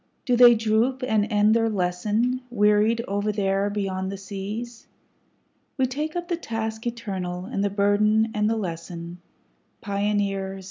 Do they droop and end their lesson, wearied over there beyond the seas? We take up the task eternal, and the burden and the lesson, Pioneers!